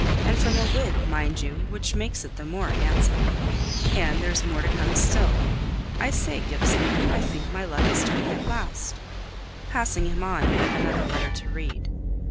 and from a Whig, mind you, which makes it the more handsome. And there's more to come still. I say, Gibson, I think my luck is turning at last," passing him on yet another letter to read.